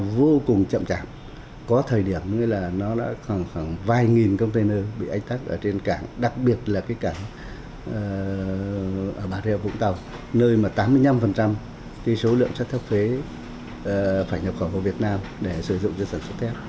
vô cùng chậm chạm có thời điểm là nó đã khoảng vài nghìn container bị ách tắt ở trên cảng đặc biệt là cái cảng ở bà rêu vũng tàu nơi mà tám mươi năm số lượng chấp phế phải nhập khẩu vào việt nam để sử dụng cho sản xuất thép